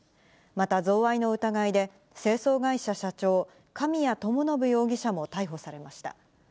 また、贈賄の疑いで、清掃会社社長、神谷知伸容疑者も逮捕されました。